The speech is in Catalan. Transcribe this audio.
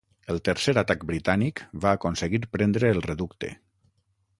El tercer atac britànic va aconseguir prendre el reducte.